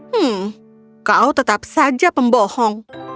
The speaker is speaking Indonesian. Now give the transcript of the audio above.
hmm kau tetap saja pembohong